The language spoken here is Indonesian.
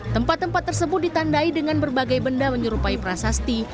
tempat tempat tersebut ditandai dengan berbagai benda menyerupai prasasti